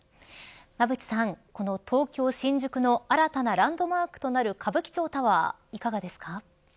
馬渕さん、この東京、新宿の新たなランドマークとなる歌舞伎町タワー、いかがですか。